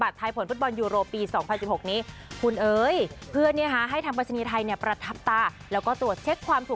ดูนะคน์เนี่ยก็ดู